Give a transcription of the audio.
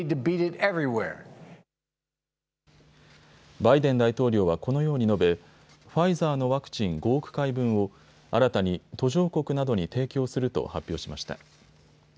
バイデン大統領はこのように述べファイザーのワクチン５億回分を新たに途上国などに提供すると発表しました。